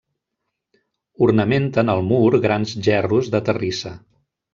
Ornamenten el mur grans gerros de terrissa.